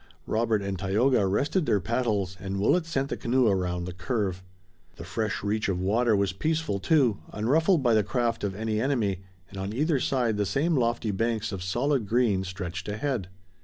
Robert and Tayoga rested their paddles, and Willet sent the canoe around the curve. The fresh reach of water was peaceful too, unruffled by the craft of any enemy, and on either side the same lofty banks of solid green stretched ahead.